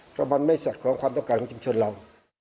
เพราะมันไม่สอดคล้องความต้องการของชุมชนเรา